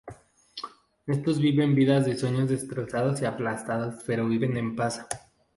Estos viven vidas de sueños destrozados y aplastados, pero viven en paz.